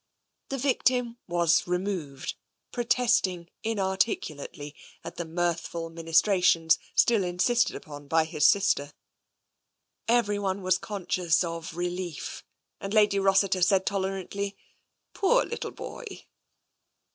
The victim was removed, protesting inarticulately at the mirthful ministrations still insisted upon by his sister. ft TENSION 205 Everyone was conscious of relief, and Lady Rossi ter said tolerantly, " Poor little boy